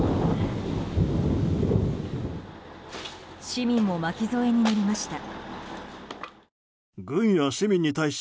市民も巻き添えになりました。